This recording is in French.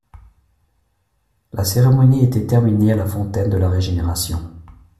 La cérémonie était terminée à la fontaine de la Régénération.